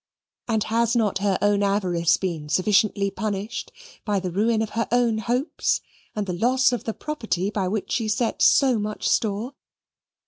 And has not her own avarice been sufficiently punished by the ruin of her own hopes and the loss of the property by which she set so much store?